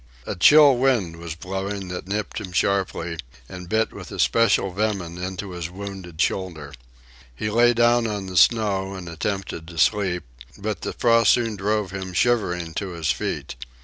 A chill wind was blowing that nipped him sharply and bit with especial venom into his wounded shoulder. He lay down on the snow and attempted to sleep, but the frost soon drove him shivering to his feet.